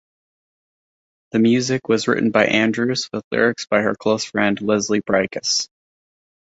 The music was written by Andrews with lyrics by her close friend Leslie Bricusse.